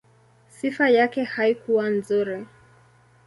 Sifa yake haikuwa nzuri.